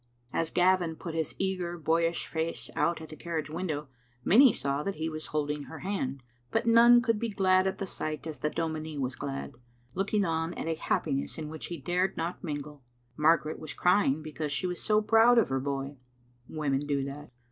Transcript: As Gavin put his eager boyish face out at the carriage window, many saw that he was hold ing her hand, but none could be glad at the sight as the dominie was glad, looking on at a happiness in which he dared not mingle. Margaret was crying because she was so proud of her boy. Women do that.